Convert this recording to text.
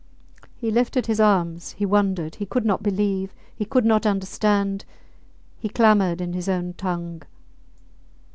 He lifted his arms, he wondered, he could not believe, he could not understand, he clamoured in his own tongue!